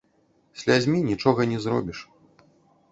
Слязьмі нічога не зробіш.